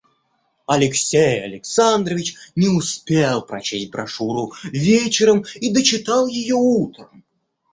Алексей Александрович не успел прочесть брошюру вечером и дочитал ее утром.